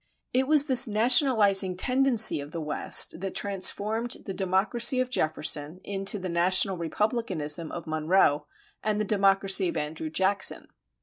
It was this nationalizing tendency of the West that transformed the democracy of Jefferson into the national republicanism of Monroe and the democracy of Andrew Jackson.